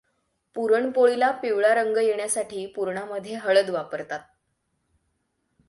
पुरण पोळीला पिवळा रंग येण्यासाठी पुराणामध्ये हळद वापरतात.